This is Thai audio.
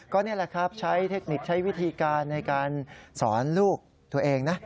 ก็นี่แหละครับใช้เทคนิคใช้วิธีการในการสอนลูกตัวเองนะ